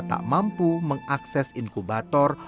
tak mampu mengakses inkubator